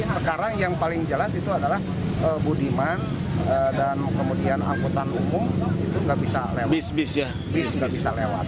sekarang yang paling jelas itu adalah budiman dan kemudian angkutan umum itu nggak bisa lewat